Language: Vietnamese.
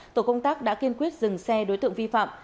tổ công tác đã kiên quyết dừng xe đối tượng vi phạm